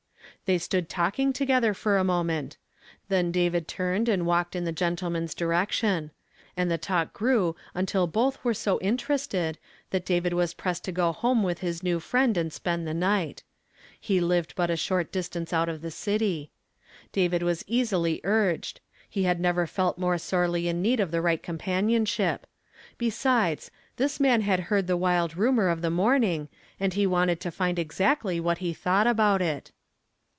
They stood talking together for a moment ; then David turned and walked in the gentleman's di "HE HATH SWALLOWED UP DEATH." 331 rection ; and the talk grew until both were so Inter ested that David was pressed to go home with his new friend and spend the night ; he lived but a short distance out of the city. David was easily urged ; he had never felt more sorely in need of the right companionship ; besides, this man had heard the wild rumor of the morning, and he wanted to find exactly what he thought about it.